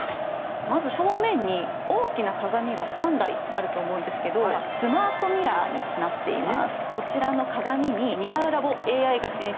まず正面に大きな鏡が３台あると思いますがスマートミラーになっています。